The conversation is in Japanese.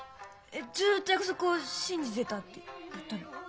「ずっと約束を信じてた」って言ったの？